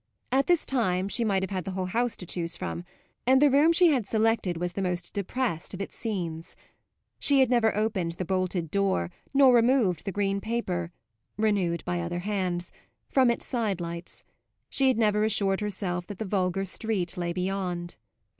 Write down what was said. At this time she might have had the whole house to choose from, and the room she had selected was the most depressed of its scenes. She had never opened the bolted door nor removed the green paper (renewed by other hands) from its sidelights; she had never assured herself that the vulgar street lay beyond.